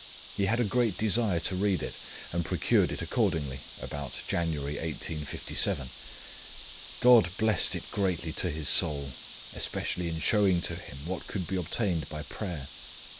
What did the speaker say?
He had a great desire to read it, and procured it accordingly, about January, 1857. God blessed it greatly to his soul, especially in showing to him, what could be obtained by prayer.